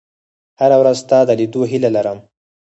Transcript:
• هره ورځ ستا د لیدو هیله لرم.